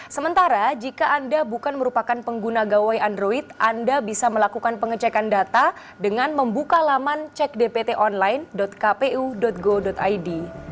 sementara jika anda bukan merupakan pengguna gawai android anda bisa melakukan pengecekan data dengan membuka laman cek dptonline kpu go id